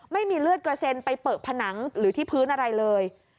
ไม่มีเลือดกระเซ็นไปเปลือกผนังหรือที่พื้นอะไรเลย